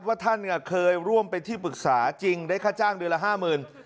ว่าท่านเคยร่วมเป็นที่ปรึกษาจริงได้ค่าจ้างเดือนละ๕๐๐๐บาท